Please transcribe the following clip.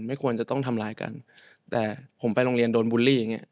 ไม่ควรจะต้องทำร้ายกันแต่ผมไปโรงเรียนโดนบูลลี่อย่างเงี้